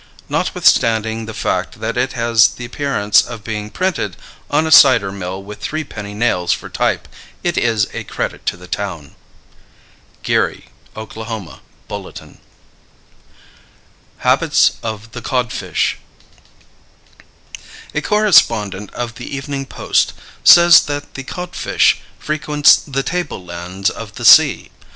Notwithstanding the fact that it has the appearance of being printed on a cider mill with three penny nails for type, it is a credit to the town. Geary (Oklahoma) Bulletin. HABITS OF THE CODFISH. A correspondent of the Evening Post says that the codfish frequents "the table lands of the sea."